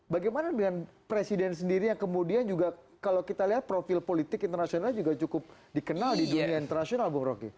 bagaimana dengan presiden sendiri yang kemudian juga kalau kita lihat profil politik internasional juga cukup dikenal di dunia internasional bung roky